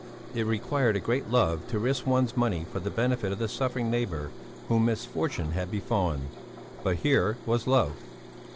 It required a great love to risk one's money for the benefit of the suffering neighbour whom misfortune had befallen, but here was love!